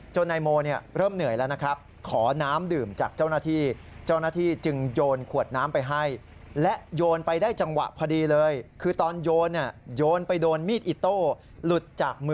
จนนายโมเริ่มเหนื่อยแล้วนะครับ